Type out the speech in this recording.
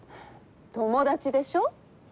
友達でしょ。